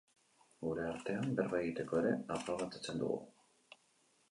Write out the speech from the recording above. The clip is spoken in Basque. Gure artean berba egiteko ere aprobetxatzen dugu.